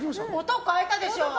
音、変えたでしょ？